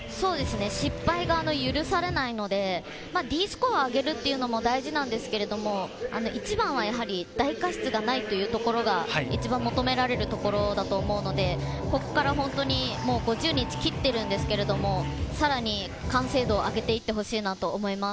失敗が許されないのでＤスコアを上げるというのも大事ですけれど、一番はやはり大過失がないというところが一番求められるというところだと思うので、ここから５０日を切ってるんですけど、さらに完成度を上げていってほしいなと思います。